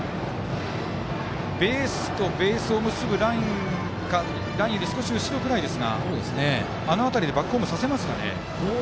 ベースとベースを結ぶラインより少し後ろぐらいですがあの辺りでバックホーム刺せますかね。